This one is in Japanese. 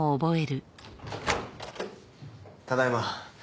ただいま。